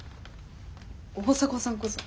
大迫さんこそ。